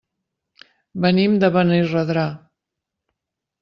Venim de Benirredrà.